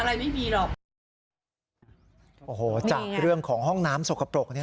อะไรไม่มีหรอกโอ้โหจากเรื่องของห้องน้ำสกปรกเนี้ย